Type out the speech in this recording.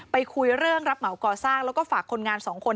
คุยเรื่องรับเหมาก่อสร้างแล้วก็ฝากคนงานสองคน